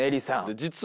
実は。